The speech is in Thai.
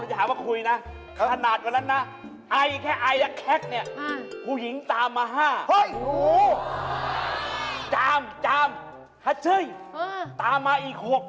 จามฮัดซึยตามมาอีกหวก